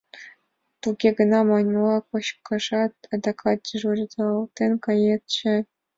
Туге гына манынам: кочкатат, адакат дежуритлашет кает чай...